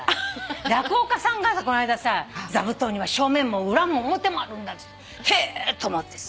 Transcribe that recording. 落語家さんがこないださ「座布団には正面も裏も表もあるんだ」っつってへぇっと思ってさ。